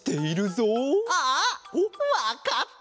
あわかった！